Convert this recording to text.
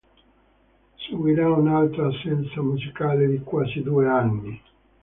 Seguirà un'altra assenza musicale di quasi due anni.